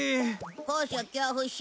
高所恐怖症？